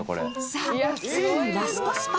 さあついにラストスパート！